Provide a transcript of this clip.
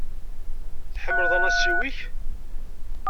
Tḥemmleḍ anasiw-ik?